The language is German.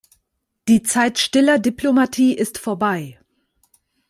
Die Zeit stiller Diplomatie ist vorbei.